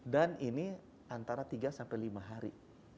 dan ini antara tiga sampai lima hari